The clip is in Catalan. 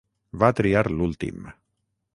Va triar l'últim.